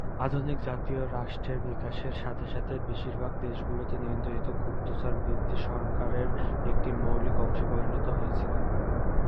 আধুনিক জাতীয় রাষ্ট্রের বিকাশের সাথে সাথে, বেশিরভাগ দেশগুলিতে নিয়ন্ত্রিত গুপ্তচরবৃত্তি সরকারের একটি মৌলিক অংশে পরিণত হয়েছিল।